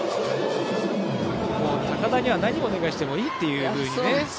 高田には何をお願いしてもいいというね。